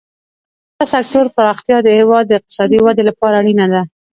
د روغتیا سکتور پراختیا د هیواد د اقتصادي ودې لپاره اړینه ده.